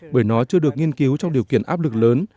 bởi nó chưa được nghiên cứu trong điều kiện áp lực lớn